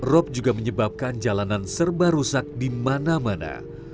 rop juga menyebabkan jalanan serba rusak di mana mana